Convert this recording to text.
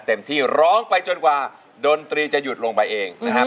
เต็มที่ร้องไปจนกว่าดนตรีจะหยุดลงไปเองนะครับ